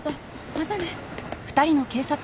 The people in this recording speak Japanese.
またね。